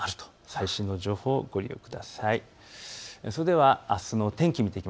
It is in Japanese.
最新の情報をご利用ください。